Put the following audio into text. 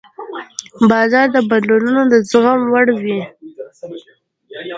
بازار د بدلونونو د زغم وړ وي.